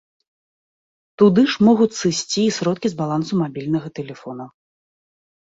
Туды ж могуць сысці і сродкі з балансу мабільнага тэлефона.